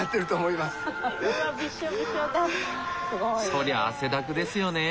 そりゃ汗だくですよね。